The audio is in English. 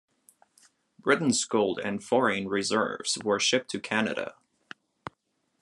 Britain's gold and foreign reserves were shipped to Canada.